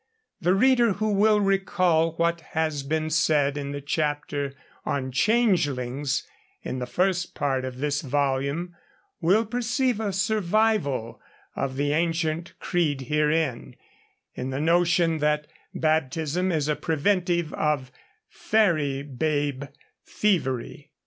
The reader who will recall what has been said in the chapter on changelings, in the first part of this volume, will perceive a survival of the ancient creed herein, in the notion that baptism is a preventive of fairy babe thievery.